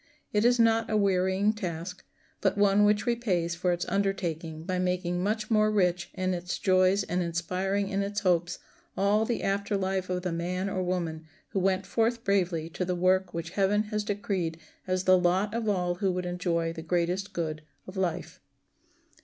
It is not a wearying task, but one which repays for its undertaking by making much more rich in its joys and inspiring in its hopes all the after life of the man or woman who went forth bravely to the work which heaven has decreed as the lot of all who would enjoy the greatest good of life.